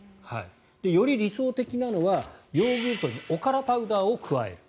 より理想的なのはヨーグルトにおからパウダーを加える。